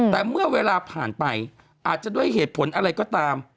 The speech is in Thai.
แต่เมื่อเวลาผ่านไปอาจจะด้วยเหตุผลอะไรก็ตาม